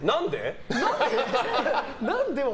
何で？